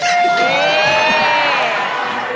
ถูก